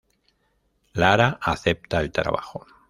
Lara acepta el trabajo.